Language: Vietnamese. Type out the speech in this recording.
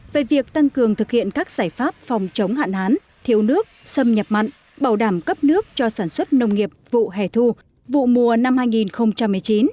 về việc tăng cường thực hiện các giải pháp phòng chống hạn hán thiếu nước xâm nhập mặn bảo đảm cấp nước cho sản xuất nông nghiệp vụ hè thu vụ mùa năm hai nghìn một mươi chín